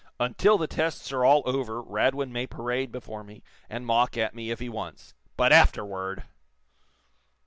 Until the tests are all over Radwin may parade before me, and mock at me, if he wants. But afterward